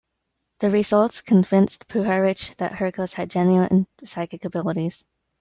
The results convinced Puharich that Hurkos had genuine psychic abilities.